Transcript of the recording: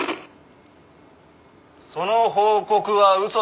その報告は嘘だ。